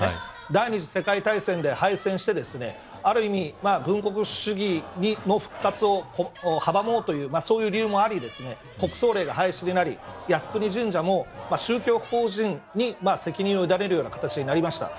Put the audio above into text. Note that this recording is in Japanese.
第２次世界大戦で敗戦してある意味、軍国主義の復活を阻もうというそういう理由もあり国葬令が廃止になり靖国神社も宗教法人に責任を得られるような形になりました。